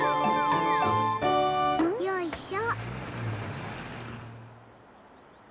よいしょ。